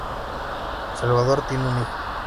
Salvador tiene un hijo.